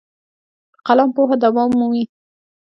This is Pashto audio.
په قلم پوهه دوام مومي.